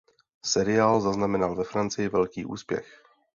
Seriál zaznamenal ve Francii velký úspěch.